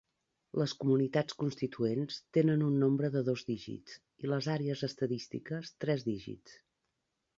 Les comunitats constituents tenen un nombre de dos dígits i les àrees estadístiques tres dígits.